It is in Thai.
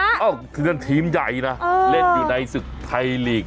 อ้าวคือทีมใหญ่นะเล่นอยู่ในศึกษาไทยหลีก